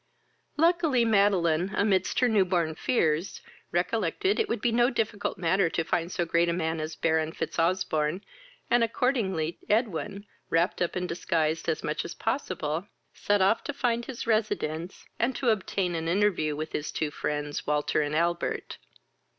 Luckily, Madeline, amidst her new born fears, recollected it would be no difficult matter to find so great a man as Baron Fitzosbourne, and accordingly Edwin, wrapped up and disguised as much as possible, sat off to find his residence, and to obtain an interview with his two friends, Walter and Albert.